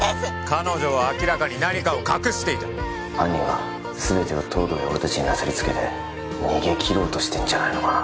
彼女は明らかに何かを隠していた犯人はすべてを東堂や俺達になすりつけて逃げ切ろうとしてんじゃないのかな